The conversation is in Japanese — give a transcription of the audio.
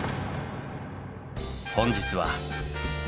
本日は。